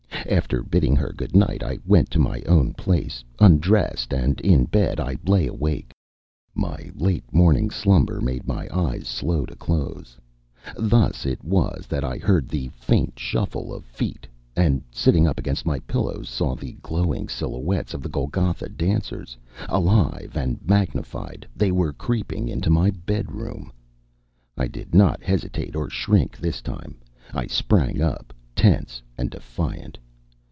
After bidding her good night, I went to my own place. Undressed and in bed, I lay awake. My late morning slumber made my eyes slow to close. Thus it was that I heard the faint shuffle of feet and, sitting up against my pillows, saw the glowing silhouettes of the Golgotha dancers. Alive and magnified, they were creeping into my bedroom. I did not hesitate or shrink this time. I sprang up, tense and defiant.